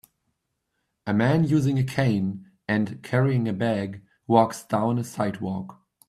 A man using a cane and carrying a bag walks down a sidewalk.